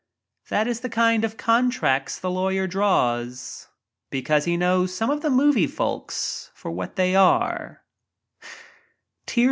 That is the kind of contracts the lawyer because he knows some of the movie folks for what they are.